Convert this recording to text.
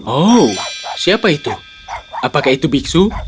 oh siapa itu apakah itu biksu